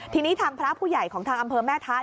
ทีนี้ทางพระผู้ใหญ่ของทางอำเภอแม่ทะ